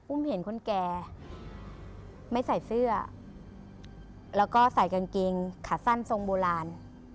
เห็นคนแก่ไม่ใส่เสื้อแล้วก็ใส่กางเกงขาสั้นทรงโบราณ